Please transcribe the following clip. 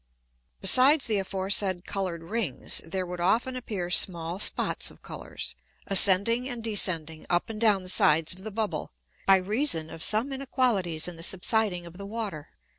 Besides the aforesaid colour'd Rings there would often appear small Spots of Colours, ascending and descending up and down the sides of the Bubble, by reason of some Inequalities in the subsiding of the Water.